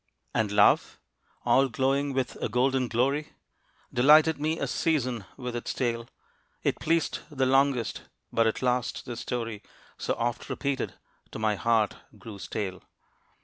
And love, all glowing with a golden glory, Delighted me a season with its tale. It pleased the longest, but at last the story So oft repeated, to my heart grew stale.